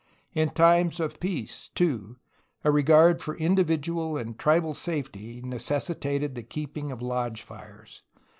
In times of peace, too, a regard for individual and tribal safety necessitated the keeping of lodge fires.